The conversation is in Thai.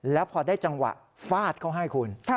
แล้วพอได้จังหวะฟาดเขาให้คุณ